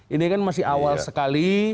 ini kan masih awal sekali